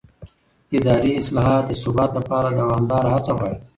اداري اصلاحات د ثبات لپاره دوامداره هڅه غواړي